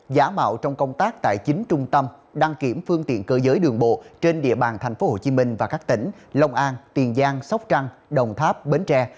giả mạo trong công tác tại chính trung tâm đăng kiểm phương tiện cơ giới đường bộ trên địa bàn thành phố hồ chí minh và các tỉnh long an tiền giang sóc trăng đồng tháp bến tre